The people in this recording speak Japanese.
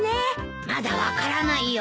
まだ分からないよ。